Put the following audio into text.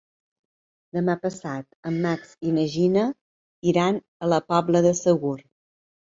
Demà passat en Max i na Gina iran a la Pobla de Segur.